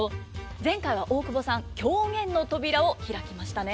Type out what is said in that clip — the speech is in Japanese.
前回は大久保さん狂言の扉を開きましたね。